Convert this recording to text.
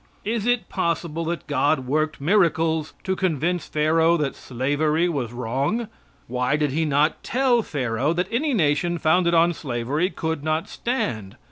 Is it possible that God worked miracles to convince Pharaoh that slavery was wrong? Why did he not tell Pharaoh that any nation founded on slavery could not stand?